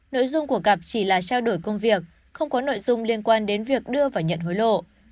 nội dung của gặp chỉ là trao đổi công việc không có nội dung liên quan đến việc đưa và nhận hối lộ